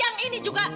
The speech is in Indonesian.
yang ini juga